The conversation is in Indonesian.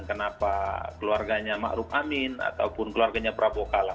kenapa keluarganya maruf amin ataupun keluarganya prabowo kalah